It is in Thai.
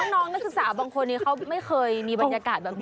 น้องนักศึกษาบางคนนี้เขาไม่เคยมีบรรยากาศแบบนี้